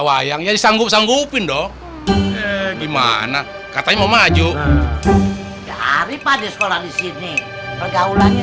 wayangnya sanggup sanggupin dong gimana katanya mau maju dari pada sekolah disini pergaulannya